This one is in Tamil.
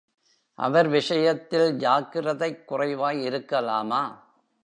அவர் விஷயத்தில் ஜாக்ரதைக் குறைவாய் இருக்கலாமா?